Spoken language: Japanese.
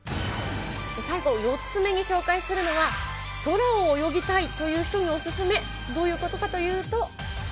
最後４つ目に紹介するのは、空を泳ぎたいという人にお勧め、どういうことかというと。